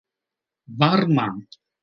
varma